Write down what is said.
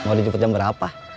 mau dijemput jam berapa